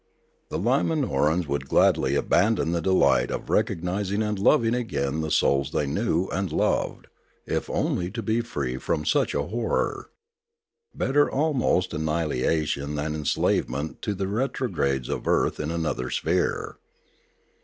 The Limauorans would gladly abandon the delight of recognising and loving again the souls 386 Limanora they knew and loved, if only to be free from such a horror. Better almost annihilation than enslavement to the retrogrades of earth in another sphere.